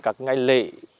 và các ngày lễ